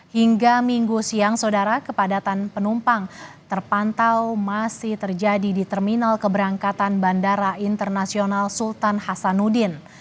hingga minggu siang saudara kepadatan penumpang terpantau masih terjadi di terminal keberangkatan bandara internasional sultan hasanuddin